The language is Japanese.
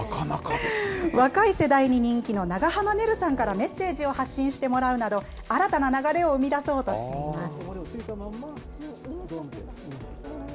若い世代に人気の長濱ねるさんからメッセージを発信してもらうなど、新たな流れを生み出そうとしています。